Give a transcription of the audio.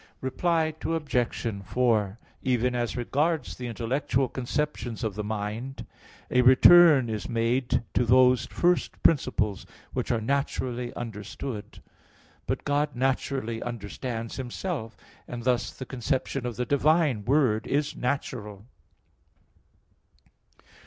Reply Obj. 4: Even as regards the intellectual conceptions of the mind, a return is made to those first principles which are naturally understood. But God naturally understands Himself, and thus the conception of the divine Word is natural.